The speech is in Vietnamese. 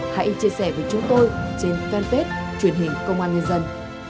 hãy chia sẻ với chúng tôi trên fanpage truyền hình công an nhân dân